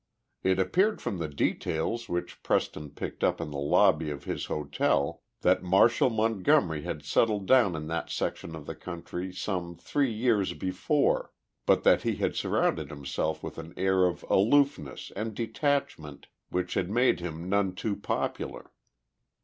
It appeared from the details which Preston picked up in the lobby of his hotel that Marshall Montgomery had settled down in that section of the country some three years before, but that he had surrounded himself with an air of aloofness and detachment which had made him none too popular.